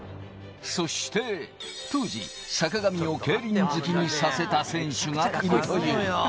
そして、当時、坂上を競輪好きにさせた選手がいるという。